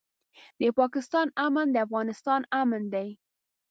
د پاکستان امن د افغانستان امن دی.